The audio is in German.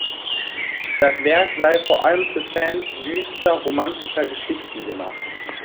Das Werk sei vor allem für Fans düster-romantischer Geschichten gemacht.